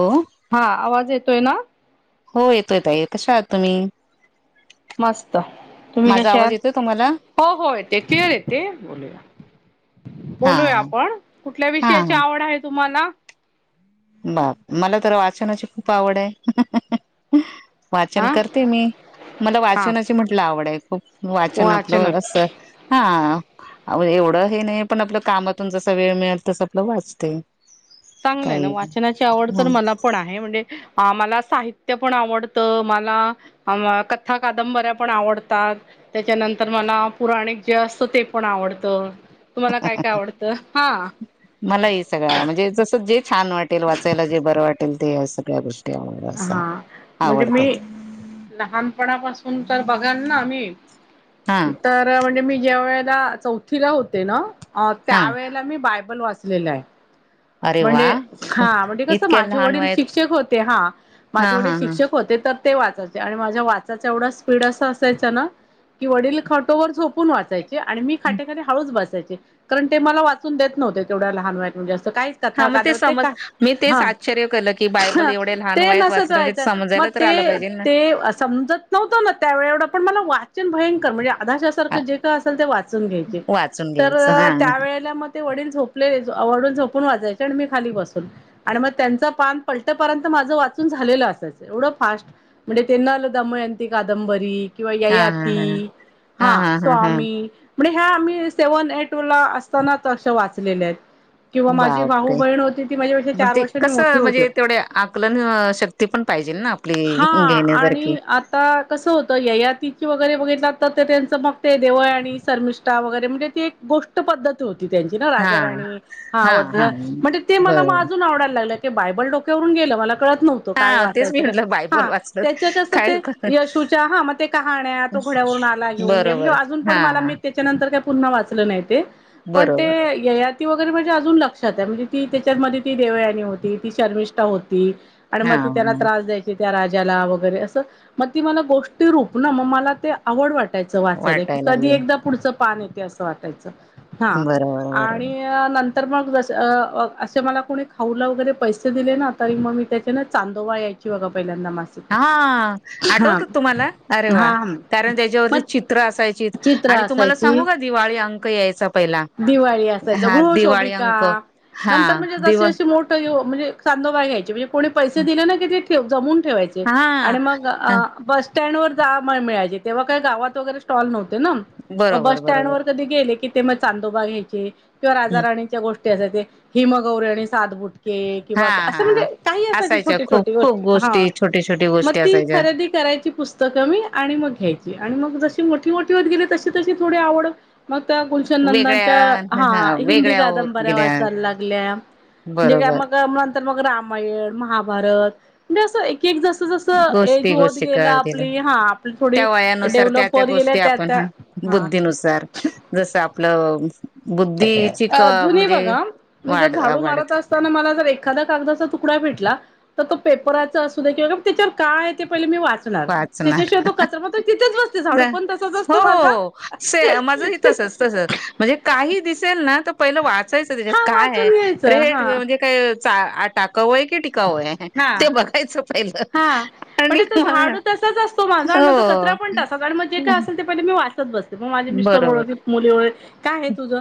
हो हा आवाज येतोय ना हो येतो येत ये कश आहात तुम्ही मस्त तुम्ही माझा कशा आवाज आल येतोय तुम्हाला हो हो येते क्लअर येते बोलूया हा बोलूया आपण कुठल्या हा विषयाची हा आवड आहे तुम्हाला बाप मला तर वाचनाची खूप आवड आहे वाचन हा करते मी मला हा वाचनाची म्हटलं आवड आहे खूप वाचन आपलं असं हा एवढं हे नाही पण आपलं कामातून जसा वेळ मिळेल तस आपलं वाचते चांगलं आहे ना काही वाचनाची आवड तर ह मला पण आहे म्हणजे मला साहित्य पण आवडतं मला कथा कादंबऱ्या पण आवडतात त्याच्यानंतर मला पुराणिक जे असतं ते पण आवडतं तुम्हाला काय काय आवडतं हा मला हे सगळं म्हणजे जस जे छान वाटेल वाचायला जे बरं वाटेल ते सगळ्या गोष्टी आवड असं हा म्हणजे मी आवडतात लहानपणापासून तर बघ घांना मी हा तर म्हणजे मी जे वेळेला चौथीला होते ना अ हा त्यावेेळेला मी बायबल वाचलेला आहे अरे वा म्हणजे हा म्हणजे कस इतक्या माझे लहान वडील वयात शिक्षक होते हा हा माझे वडील हा हा शिक्षक होते तर ते वाचायचे आणि माझ्या वाचाचा एवढा स्पीड असं असायचं ना कि वडील खटोवर झोपून वाचायचे आणि मी खाटेखाली हळूच बसायचे कारण ते मला वाचून देत नव्हते तेवढ्या लहानवयात म्हणजे अस काय ते हा कथा मग ते कादवते समज का मी तेच हम आश्चर्य केलं की बायबल एवढ्या [inaudible] लहान ते वयात वाचलं नसतय म्हणजे तर मग समजायला तर आलं ते ते पाहिजे ना. ते अ समजत नव्हत ना त्यावे एवढ पण मला वाचन भयंकर म्हणजे हा, आदाशासारखं जे काय असेल ते वाचून घ्यायचे वाचून तर घ्यायचं हा त्या वेळेला मग ते वडील झोपले अवडून झोपून वाचायं तर मी खाली बसून आणि मग त्यांच पान पलटपर्यंत माझं वाचून झालेलं असायचं एवढं फास्ट म्हणजे त्यांना आलं दमयंती कादंबरी किंवा हा हा हा ययाती हा स्वामी म्हणजे ह्या आम्ही सेव्हन ए टू ला असतानाच अशा वाचलेल्या आहेत किंवा माझी बाव भाऊ परे बहीण होती ती माझ्यापेक्षा मग चार ते वर्षांनी कस मोठी होते म्हणजे तेवढे आकलन शक्ती पण पाहिजेलं हा आणि आता कस होतं ययातीची वगैरे वगैरे जात ते त्यांचं मग ते देवळ आणि सरमिष्ठा वगैरे म्हणजे ती एक गोष्ट पद्धत होती कि त्यांची ना हा राजा राणी हा हाआवडते हा म्हणजे ते बर मलाम अजून आवडायला लागलं बायबल डोक्यावरून गेलं मला कळत नव्हतं काय हा तेच मी वाचायचं काय म्हटलं बायबल हा वाचलं त्याच कसं काय ते यशूच्या हा मग ते कहाण्या तो घोड्यावरून आला घेऊन घे म्हणजे बरोबर अजून पण हा पण मला मी त्याच्यानंतर काय पुन्हा वाचलं नाही ते पण ते बरोबर ययाती ती वगैरे म्हणजे अजून लक्षात आहे म्हणजे ती त्याच्यामध्ये ती देवयानी होती ती शर्मिष्ठा होती आणि हा मग ती त्यांना हा त्रास द्यायची त्या राजाला वगैरे असं मग ती मला गोष्टी रूपना मग मला ते आवड वाटते वाचायच वाचायला की वाटायला कधी लागले एकदा पुढं पान येते असं वाटायचं हा बरोबर बरोबर आणि नं तर मग जसं अ-अ-अस मला कोणी खाऊला वगैरे पैसे दिले ना तरी मग मी त्याच्यानं चांदोवा यायची बघा नमस हा [unintelligible] म्हाम आठवत तुम्हाला अरे वा म्हाम म कारण [inaudible] म त्याच्यावरती चित्र असायचीच चित्र आणि तुम्हाला असायची सांगू का दिवाळी अंक यायचा पहिला दिवाळी असायच हा दिवाळी गृहशोभिका अंक हा नंतर म्हणजे दिवा जशीशी मोठ यो म्हणजे चांदोबा यायचे म्हणजे कोणी पैसे दिले ना कि तेे ठेव जमून ठेवायचे हा आणि मग अ बस सँड वर जा मंमिळायचे तेव्हा काही गावात वगैरे स्टॉल नव्हते तन म बस बरोबर स्टँड बरोबर वर कधी गेले की ते मग चांदोबाघ्यायचे किंवा राजा हं. राणीच्या गोष्टी ते अस ते हिमगौरी आणि सातबुटके हा किंवा असं हा म्हणजे काही असं जे असायच्या छोटी खूप छोटी खूप गोष्टी हा छोटी छोटी मग गोष्टी ती असायच्या खरेदी करायची पुस्तकं मी आणि मग घ्यायची आणि मग जशी मोठी मोठी होत गेली तशी तशी थोडी आवड मग त्या गुलशननंदांच्या वेगळ्या हा हिंदी वेगळ्या होत कादंबऱ्या गेल्या वाचाल लागल्या म्हणजे बरोबर मग नंतर मग रामायण महाभारत म्हणजे असं एक की एक जसं जसं एज गोष्टी होत गोष्टी गेलं करत गेल्या आपली हा आपली थोडी त्या वयानुसार त्या डेव्हलप त्या होत गेल्या गोष्टी आपण त्यात्या हा बुद्धीनुसार जस आपलं अ [inaudible] अ जुनी बघा मी जर वाढ झाडू वाढत मारत असताना मला जर एखादा्या कागदाचा तुकडा भे भेटला तर तो पेपराचा असूदे किंवा त्याच्यावर काय ते पहिल मी वाचणार त्याच्याशिवाय तो कचरा तो तिथेच बस जा हो हो हो सेम माझही तसच तस म्हणजे का काही दिसेल ना त पहिलं वाचायच त्याच्यात हा कायहे वाचून घ्यायचं रेट हा म्हणजे काय चा आ टाक टाकाऊ की टिकाऊ हा ते बघायच पहिलं हा आणि मग हा मग तो कचरा हो पण टाका पण म जे काय असेल ते पहिले मी वाचत बसते मग माझे मिस्टर बरोबर ओरडतील व मुली बोलेल काय हे तुझं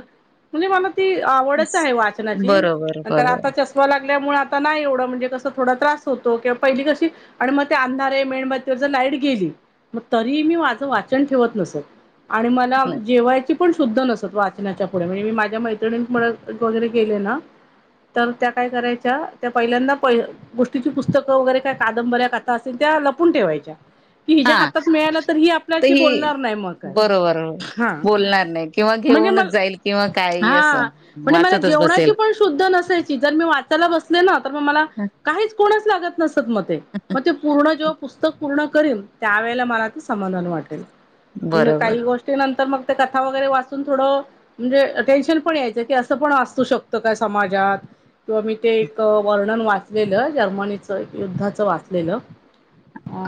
म्हणजे मला ती आवडच आहे वाचनाची बरोबर नंतर आता बरोबर चष्मा लागल्यामुळे आता नाही एवढं म्हणजे कस थोडा त्रास होतो किंवा पहिली कशी आणि मग ते अंधार मेणबत्तीवर जर लाईट गेली मग तरीहि मी माझं वाचन ठेवत नसत, आणि मला जेवायची पण शुद्ध नसत वाचनाच्या पुढे, म्हणजे मी माझ्या मैत्रिणींमुळे वगैरे केले ना तर त्या काय करायच्या, त्या पहिल्यांदा प गोष्टीची पुस्तकं वगैरे काही कादंबऱ्या कथा असतील त्या लपून ठेवायच्या की हिच्या हा हातात मिळाला तर ही तर आपल्याशी ही बोलणार नाही मग काय. बरोबर हा बोलणार नाही किंवा म्हणजे म घेऊनच जाईल किंवा काही असं हा, म्हणजे मला वाचतच बसेल जेवणाची पण शुद्ध नसायची जर मी वाचायला बसले ना तर म मला काहीच कोणा लागत नसत मग ते, मग ते पूर्ण जेव्हा पुस्तक पूर्ण करीन त्यावेळेला मला ते समधान वाटेल, बरोबर काही गोष्टी नंत तर मग ते कथा वगैरे वाचून थोडं म्हणजे टेन्शन पण यायचं, की असं पण वाचतू शकतं का समाजात जात किंवा मी ते एक वर्णन वाचलेलं, जर्मनीचं एक युद्धाच वाचलेलं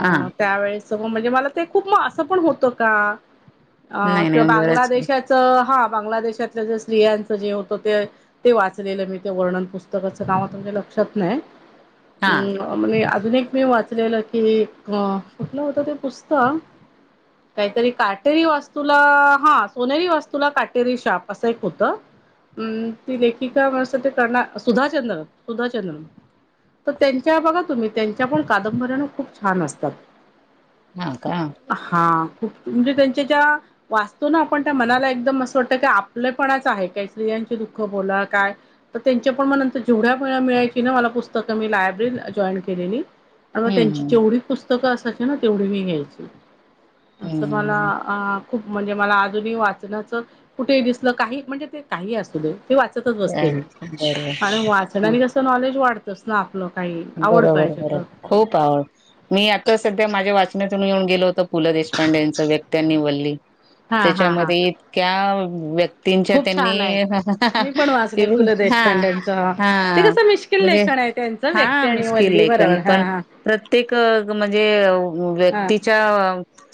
हा त्यावेळेस म म्हणजे मला ते खूप म असं पण होतं का अह नाही किंवा नाही बरंच बांगलादेशाच हा बांगलादेशातल्या ज्या स्त्रियांचं जे होतं ते, ते वाचलेलं मी ते वर्णन पुस्तकाचं नाव आता माझ्या लक्षा त नाय हा हम्म म्हणे अजून एक मी वाचलेलं, की अह कुठलं होत ते पुस्तक काहीतरी काटेरी वास्तूला हा, सोनेरी वास्तूला काटेरी शाप असं एक होतं अम ती लेखिका म्हस ते करणार सुधाचंद्रन सुधाचंद्रन. तर त्यांच्या बघा तुम्ही, त्यांच्या पण कादंबऱ्या ना खूप छान असतात. हा का हा. प म्हणजे त्यांच्या ज्या वाचतो, ना आपण त्या मनाला एकदम असं वाटतं की आपलंपणाच आहे काहीतरी त्याचे दुःख बोला काय, तर त्याच्या पन म नंतर जेवढ्या वेळा मिळायची ना मला पूस्तकं त काय मी लायब्ररी जॉइन केलेली, त्यामूळं त्यांची हम्म जेवढी पूस्त क असायची ना तेवढी मी घ्यायची, असं हम्म मला खूप म्हणजे मला अजूनही वाचनाचं कुठेही दिसलं, काही म्हणजे ते काही असू दे ते वाचतच बसते काय मी, बरोबर आणि वाचण्याने कसं नॉलेज वाढतंच ना आपलं काही आवड बरोबर, पाहिजे बरोबर खूप आवड, मी आता सध्या माझ्या वाचनात इथून येऊन गेलो होत, पु ल देशपांडेंच व्यक्ती आणि वल्ली हा हा हा त्याच्यामध्ये इतक्या तीन चार खूप छान आहे त्यांनी, मी पण वाचले पु ल [unintelligible] हा देशपांडेंचं हा ते कसं मिश्किल म्हणजे लेखन आहे त्यांचं हा व्यक्ती आणि मिश्किल वल्ली आहे, कारण बरोबर हा पण प्रत्येक म्हणजे हा व्यक्तीच्या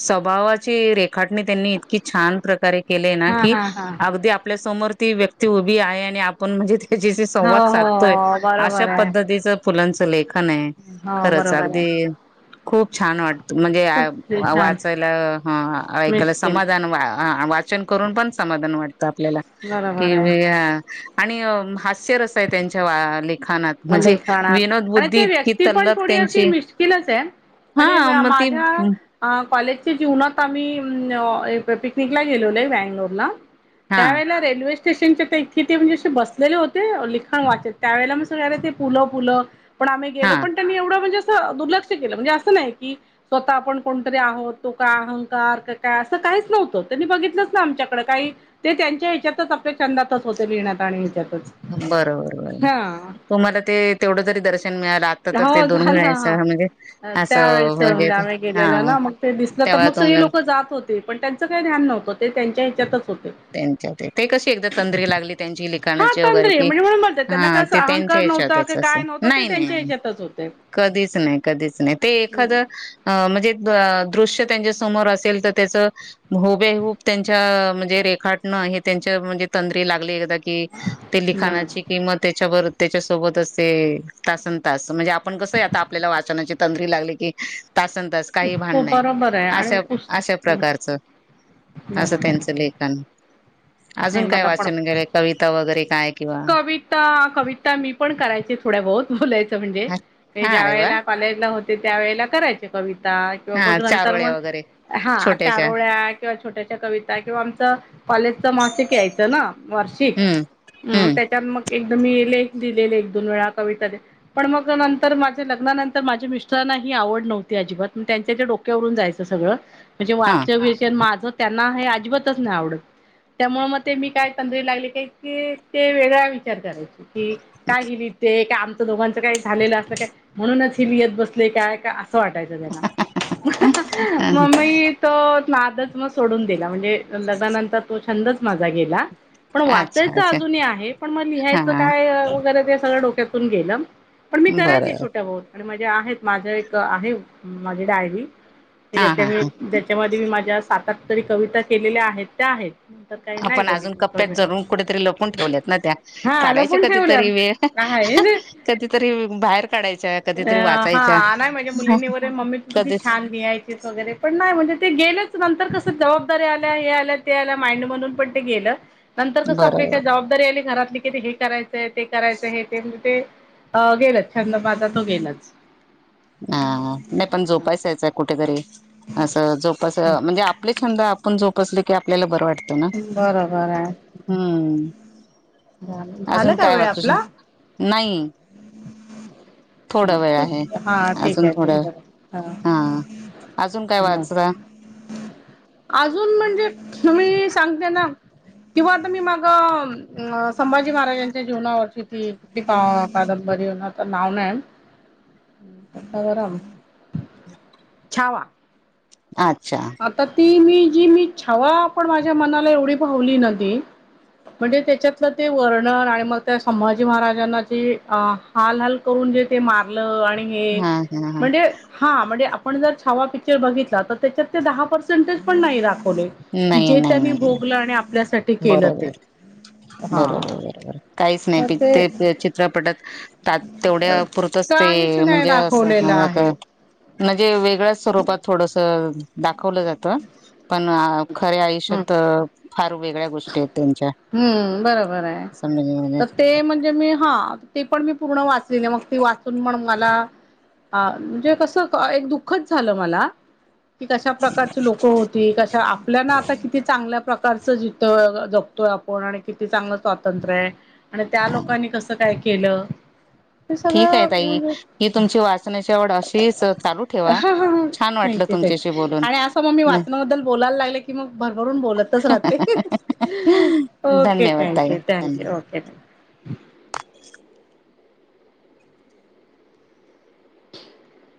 स्वभावा ची रेखाटणी त्यांनी इतकी छान प्रकारे केलीय ना हा की हा हा अगदी आपल्या समोर ती व्यक्ती उभी आहे आणि आपण म्हणजे त्याच्याशी हा संवाद हो साधतोय हो अशा बरोबर आहे पद्धतीचं पूलांचं लेखन आहे हो खरंच बरोबर आहे अगदी खूप छान वाटत म्हणजे, खूप छान वाचायला हा, ऐकायला मिश्किल समाधान वाचन करून पण समाधान वाटतं आपल्याला बरोबर कि आहे हा आणि अह हास्य रस आहे त्यांच्या लिखाणात म्हणजे अं, विनोद आणि बुद्धी ते इतकी व्यक्ती पण तल्लक थोडे अशे त्यांची मिश्किलच आहेत हा आणि मग ती माझ्या कॉलेजच्या जीवनात आम्ही अह पिकनिकला गेलेले बॅगलोर ला हा त्यावेळेला रेल्वे- स्टेशनच्या इथे ते म्हणजे असे बसलेले होते लिखाण वाचत, त्यावेळेला मग सगळे आले होते पुलं, पुलं पण आमही गेलो हा पन त्यांनी एवढ म्हणजेऽऽ दूलऺक्ष केल, म्हणजे अस नाही की स्वतः आपण कोणतरी आहोत. तो काय अहंकार ते काय असऽऽ काहीच नव्हत, त्यांनी बघितलंच नायआमच्याकडे. काही ते त्यांच्या ह्याच्यातच आपल्या छंदातच होते लिहिण्यात आणि ह्याच्यात. बरोबर बर हाऽऽ तुम्हाला ते तेवढं जरी दर्श शन मिळालं, आता तर ते हो दूर्मिळ झालं आय सह हा म्हणजे असं त्यावेेळेच अंऽऽऽ आता मग सगळी लोक जात होते. पण त्यांचं काही ध्यान नव्हतं ते त्यांच्या ह्याच्यातचऽऽ त्यांच्या ते,,, ते कशी एकदा तंद्री लागली त्यांची हा लिखाणाची वगैरे तंद्री की,,, म्हणजे म्हणून म्हणतात त्यांना ह काय असं ते त्यांऽऽऽ अहंकार त्याच्या नव्हता की हेच्यात काय असं नव्हतं ते त्यांच्या नाही-नाही-नाही. ह्याच्यातच होते कधीच नाही. कधीच नाही. ते हम्म एखादं अ म्हणजे. दृश्य त्यांच्या समोर असेल तर. त्याच हबे हूब त्यांच्या म्हणजेे रेख खाटण हे त्यांच्या म्हणजे तंद्री लागली एकदा कि. ते लिखाणाची किं म त्याच्यावर. त्याच्यासोबतच ते तासन-तास म्हणजे. आपण कसं आता आपल्याला वाचनाची तद्री लागली की. तास-तास काही हो भांडण नाही. बरोबर आहे आणि अशा-अशा पुस्त प्रकारचं. असं बरोबर त्यांचं लेखन. नाही अजून काय मला पण वाचन केलं कविता वगैरे काय किंवा. कविता कविता मी पण करायची. थोड्या बहुत बोलायचं म्हणजे हा ज्या अरे वा वेळेला कॉलेजला. ते त्या वेळेला करायचे कविता किंवा हा मग नंतर मग. चारोळ्या वगैरे हा छोट्याशा चारोळ्या किंवा छोट्याश्या कविता किंवा आमच कॉलेज वार्षिक यायचं ना वार्षिक. हम्म हम्म एकदम मी लेख दिलेले. एक-दोन-वेळा कविताने. पण मग नंतर माझ्या लग्नानंतर माझे मिस्टर. तेना ही आवड नव्हती अजिबात. मग त्यांच्या डोक्यावरून जायचं सगळंच. म्हणजे हा वाचन वीषय माझं. त्यांना हे अजिबातच नाही आवडत. त्यामुळे मग ते मी काय तंदुरी लागली की. ते काय की ते वेगळा विचार करायचे. कि काय गेली ते काम. दोघांच काय झाल अस का. म्हणूनच ही लिहित बसले काय. वाटायचं त्यांना. अ, मग मी तो. नादच मग सोडून दिला. म्हणजे लग्नानंतर तो छंदच माझा गेला. पण अच्छा वाचायचं अच्छा अजूनही आहे. पण मग हा लिहायचं काय वगैरे ते सगळं डोक्यातून गेलं. पण मी करायचे. बरं छोट बहुत आणि म्हणजे आहेत माझं एक आहेत माझी डायरी. हा मी हा हा त्या्याच्यामध्ये मी माझ्या सात-आठ तरी कविता केलेल्या आहेत. त्या आहेत. काही नाही आपण अजून कप्प्यात बघितलं. जरून कुठेतरी लपून ठेवल्यात ना त्या हा. आ. काढायच्या लपवून पण ठेवलं. कधीतरी वेळ [inaudible] कधीतरी बाहेर काढायच्या कधीतरी वाचायच्या हा माझ्या मुलीनी बोले मम्मी तू कधीच छान लिहायचीच वगैरे. पण नाही म्हणजे. ते गेलंच, नंतर कस जबाबदारी आल्या, हे आल्या ते आल्या, माइंड मधून पण ते गेलं. नंतर कसं आपली काय बरोबर जबाबदारी आली घरातली की, ते हे करायचंय, ते करायचं हे, ते म्हणजे ते अ गेलच, छंद माझा तो गेलाच. हा नाही पण जोपासायचं कुठेतरी असं जोपास अ म्हणजे आपले छंद आपण जोपसले की, आपल्याला बरं वाट त ना, बरोबर आहे. हम्म. झालं अजून का काय वेळ वाचू श आपला? नाही थोडा वेळ आहे हा. हा ठीक अजून हाय. थोडा ठीक हाय हा. अजून काय न वाचता अजून म्हणजे तुम्ही सांगते ना किंवा आता मी माग अ संभाजी महाराजांच्या जीवनावरची ती का आ कादंबरी तरी होना, आता नाव नाही. राम राम छावा. अच्छा आता ती मी जी मी छावा पण, माझ्या मनाला एवढी भावली ना ती म्हणजे त्याच्यातलं ते वर्णन आणि मग त्या, संभाजी महाराजांना जे हाल हाल करून म्हंजे ते मारलं मी हे हा हा हा म्हणजे हा, म्हणजे आपण जर छावा पिक्चर बघितला तर त्याच्यात दहा पर्सेंटेज पण नाही दाखवले की, नाही जे त्यांनी नाही भोगलं आणि आपल्यासाठी. ते केलं ते. बरोबर हा. बरोबर बरोबर. काहीच नाही प ते चित्रपटात तेवढ्या पुरत ते काहीच नाही म्हणजे अस दाखवलेलं आहे. म्हणजे वेगळ्याच स्वरूपात थोडस. दाखवलं जात पण खऱ्या हम्म आयुष्यात फा वेळ्या गोष्टी आहेत त्यांच्या. हम्म बरोबर आहे. समज तर ते म्हणजे मी हा ते पण मी पूर्ण वाचली मग ती वाचून पण मला अ म्हणजे कस एक दुःखच झालं मला. की कशा प्रकारची लोक होती कशा आपल्याना किती चांगल्या प्रकारच जिथ जपतोय आपण आणि किती चांगलं स्वातंत्र्य आहे. आणि त्या लोकांनी कसं काय केलं. हे ठीक आहे सगळं ताई म्हणजे ही तुमची वाचनाची आवढ अशीच चालू ठेवा छान वाटलं. थँक्यू तुमच्याशी बोलून आणि अस मग मी वाचनाबद्दल बोलायला लागले की भरभरून बोलतच राहते. अहं अहं ओके धन्यवाद ताई थँक्यू धन्यवाद थँक्यू ओके. [inaudible] [inaudible]